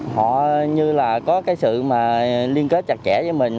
họ như là có cái sự mà liên kết chặt chẽ với mình